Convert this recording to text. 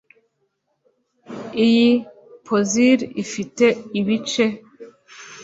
Iyi puzzle ifite ibic